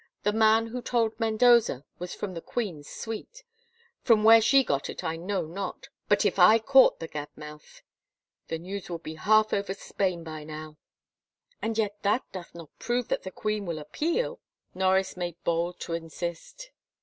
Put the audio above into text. The man who told Mendoza was from the queen*s suite. From where she got it I know not — but if I caught the gab mouth —! The news will be half over Spain by now." "And yet that doth not prove that the queen will appeal," Norris made hold to insist.